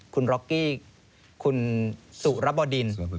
คุณร็อกกี้คุณสุรบดิน